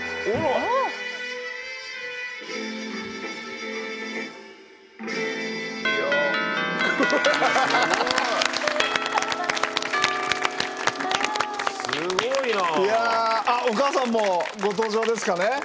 お母さんもご登場ですかね。